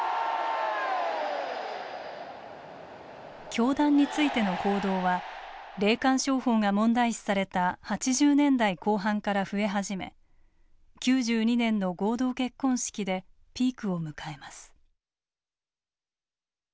教団についての報道は霊感商法が問題視された８０年代後半から増え始め９２年の合同結婚式でピークを迎えます。